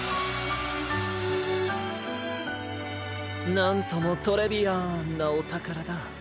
なんともトレビアンなおたからだ。